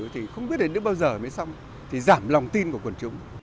thì không biết đến bao giờ mới xong thì giảm lòng tin của quần chúng